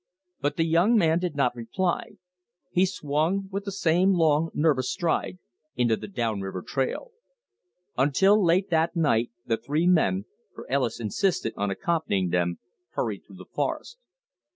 But the young man did not reply. He swung, with the same long, nervous stride, into the down river trail. Until late that night the three men for Ellis insisted on accompanying them hurried through the forest.